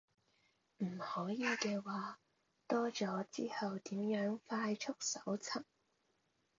唔可以嘅話，多咗之後點樣快速搜尋